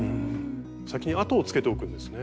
先に跡をつけておくんですね。